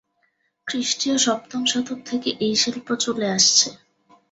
খ্রিস্টিয় সপ্তম শতক থেকে এই শিল্প চলে আসছে।